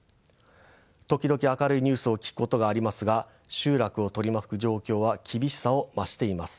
時々明るいニュースを聞くことがありますが集落を取り巻く状況は厳しさを増しています。